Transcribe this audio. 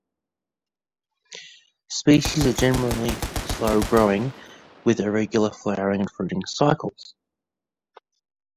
Species are generally slow growing with irregular flowering and fruiting cycles.